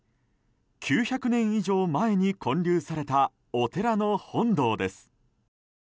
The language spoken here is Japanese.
９００年以上前に建立されたお寺の本堂です。